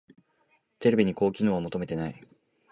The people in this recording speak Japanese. テレビに高機能は求めてない